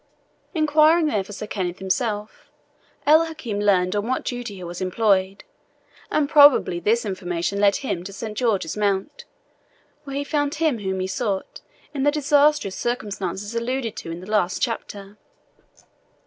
Inquiring there for Sir Kenneth himself, El Hakim learned on what duty he was employed, and probably this information led him to Saint George's Mount, where he found him whom he sought in the disastrous circumstances alluded to in the last chapter.